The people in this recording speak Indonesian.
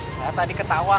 saya tadi ketawa